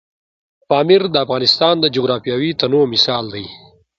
پامیر د افغانستان د جغرافیوي تنوع مثال دی.